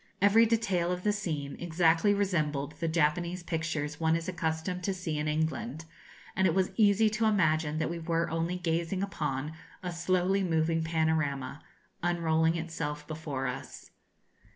Every detail of the scene exactly resembled the Japanese pictures one is accustomed to see in England; and it was easy to imagine that we were only gazing upon a slowly moving panorama, unrolling itself before us.